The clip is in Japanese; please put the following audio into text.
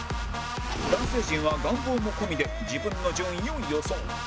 男性陣は願望も込みで自分の順位を予想